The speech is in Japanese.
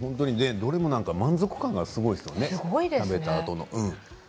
どれも満足感がすごいですね、食べたあとの。